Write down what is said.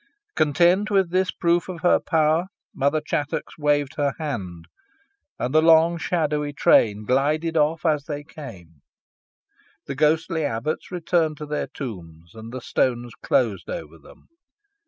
Content with this proof of her power, Mother Chattox waved her hand, and the long shadowy train glided off as they came. The ghostly abbots returned to their tombs, and the stones closed over them.